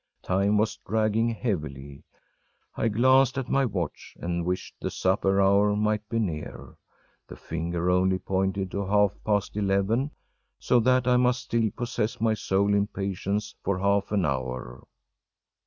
Time was dragging heavily. I glanced at my watch, and wished the supper hour might be near. The finger only pointed to half past eleven, so that I must still possess my soul in patience for half an hour.